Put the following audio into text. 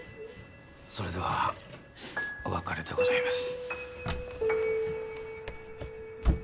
それではお別れでございます。